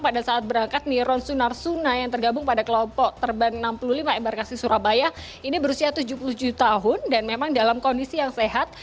pada saat berangkat niron sunarsuna yang tergabung pada kelompok terban enam puluh lima embarkasi surabaya ini berusia tujuh puluh tujuh tahun dan memang dalam kondisi yang sehat